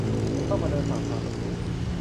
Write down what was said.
ต้องมาเดินฝั่ง 'ทาง'แบบนี้